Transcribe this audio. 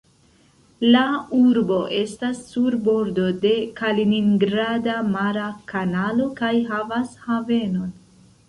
La urbo estas sur bordo de Kaliningrada mara kanalo kaj havas havenon.